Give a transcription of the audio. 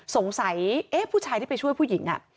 สงสัยเอ๊ะผู้ชายที่ไปช่วยผู้หญิงอะ